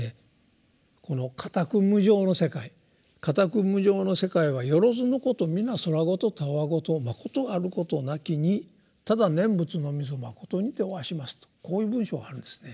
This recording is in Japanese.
この火宅無常の世界「火宅無常の世界はよろづのことみなそらごとたわごとまことあることなきにただ念仏のみぞまことにておはします」とこういう文章があるんですね。